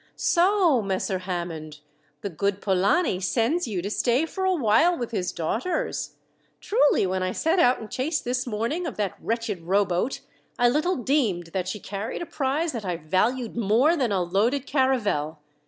"So, Messer Hammond, the good Polani sends you to stay for a while with his daughters! Truly, when I set out in chase this morning of that wretched rowboat, I little deemed that she carried a prize that I valued more than a loaded caravel!